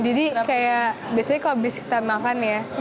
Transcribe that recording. jadi kayak biasanya kalau abis kita makan ya